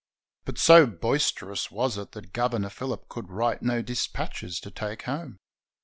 But so boisterous was it that Governor Phillip could write no dispatches to take home.